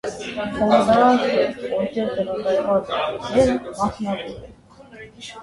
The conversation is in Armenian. Հողատարածքը, որտեղ տեղակայված է գեյզերը, մասնավոր է։